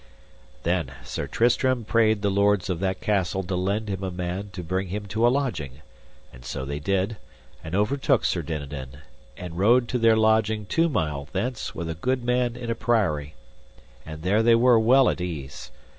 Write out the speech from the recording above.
Then Sir Tristram prayed the lords of that castle to lend him a man to bring him to a lodging, and so they did, and overtook Sir Dinadan, and rode to their lodging two mile thence with a good man in a priory, and there they were well at ease.